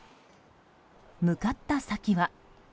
向かった先は。